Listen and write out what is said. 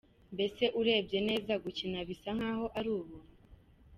Mbese urebye neza gukina bisa nkaho ari ubuntu.